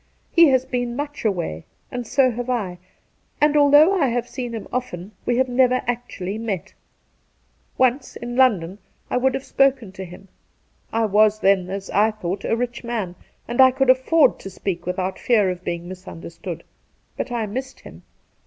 He has been much away, and so haye I, and although I have often seen him, we have never actually met. Once in London 1 1 would, have Two Christmas Days 207 spoken to him. I was then, as I thought, a rich man, and I could aflFord to speak without fear of being misunderstood, but I missed him.